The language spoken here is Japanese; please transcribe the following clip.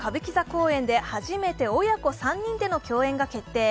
公演で、初めて親子３人での共演が決定。